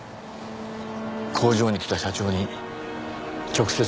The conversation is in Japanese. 工場に来た社長に直接その事を。